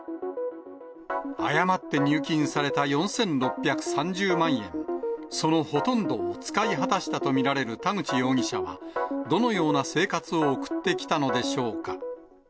誤って入金された４６３０万円、そのほとんどを使い果たしたと見られる田口容疑者は、どのような生活を送ってきたのでしょうか。